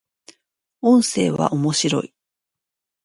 音声は、面白い